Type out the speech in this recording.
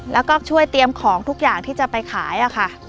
แล้วก็ช่วยเตรียมของทุกอย่างที่จะไปขายค่ะ